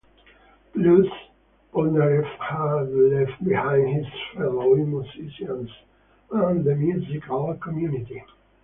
Plus, Polnareff had left behind his fellow musicians and the musical community.